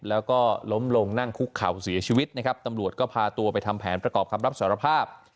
แล้วก็ล้มลงนั่งคุกเข่าเสียชีวิตนะครับตำรวจก็พาตัวไปทำแผนประกอบคำรับสารภาพ